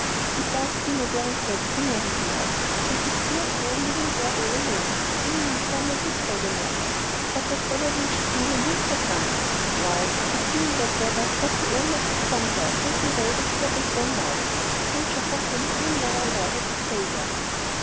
"It does seem a very sad thing," I replied; "and the poor soul living there all alone! Even in the summer it is bad enough; but whatever will she do when the winter comes? Why, the sea in bad weather must be almost in upon her. And the roar of the pebbles all night! Major Hockin will never allow her to stay there."